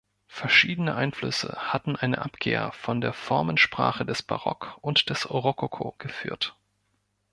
Verschiedene Einflüsse hatten eine Abkehr von der Formensprache des Barock und des Rokoko geführt.